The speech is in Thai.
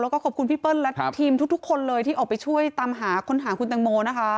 แล้วก็ขอบคุณพี่เปิ้ลและทีมทุกคนเลยที่ออกไปช่วยตามหาค้นหาคุณตังโมนะคะ